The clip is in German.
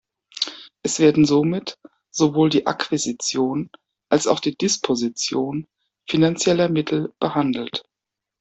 Es werden somit sowohl die Akquisition als auch die Disposition finanzieller Mittel behandelt.